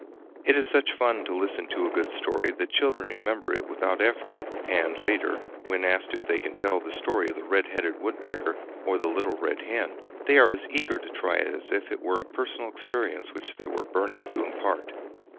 It is such fun to listen to a good story that children remember it without effort, and later, when asked if they can tell the story of The Red Headed Woodpecker or The Little Red Hen, they are as eager to try it as if it were a personal experience which they were burning to impart.